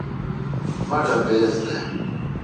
مٹھ ا بِس دہ۔